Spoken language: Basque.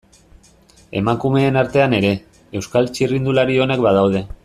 Emakumeen artean ere, Euskal txirrindulari onak badaude.